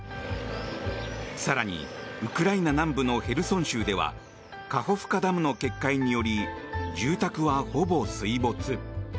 更にウクライナ南部のヘルソン州ではカホフカダムの決壊により住宅はほぼ水没。